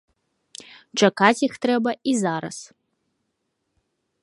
Чакаць іх трэба і зараз.